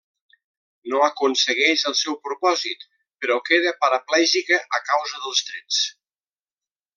No aconsegueix el seu propòsit, però queda paraplègica a causa dels trets.